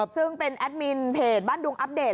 ซึ่งเป็นแอดมินเพจบ้านดุงอัปเดต